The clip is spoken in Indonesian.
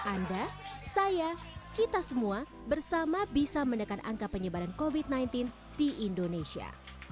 anda saya kita semua bersama bisa menekan angka penyebaran covid sembilan belas di indonesia